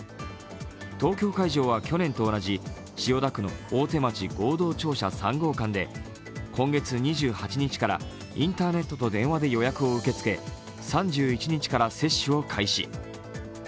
東京会場は去年と同じ、千代田区の大手町合同庁舎３号館で今月２８日からインターネットと電話で予約を受け付け３１日から接種を開始。